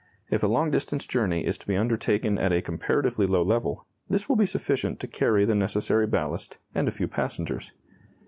If a long distance journey is to be undertaken at a comparatively low level, this will be sufficient to carry the necessary ballast, and a few passengers.